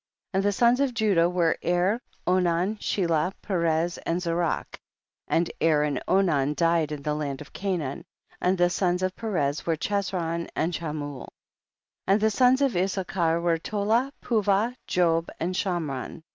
10. And the sons of Judah ivere Er, Onan, Shelah, Perez and Zarach. 1 1 . And Er and Onan died in the land of Canaan ; and the sons of Pe rez were Chezron and Chamul. 12. And the sons of Issachar were Tola, Puvah, Job and Shomron.